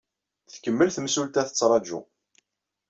Tkemmel temsulta tettṛaju.